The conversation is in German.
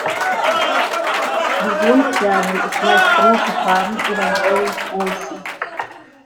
Die Grundfärbung ist meist bronzefarben oder gräulich-bronzen.